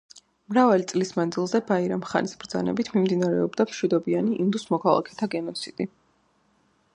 მრავალი წლის მანძილზე ბაირამ ხანის ბრძანებით მიმდინარეობდა მშვიდობიან ინდუს მოქალაქეთა გენოციდი.